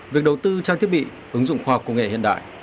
việc đầu tư trang thiết bị ứng dụng khoa học công nghệ hiện đại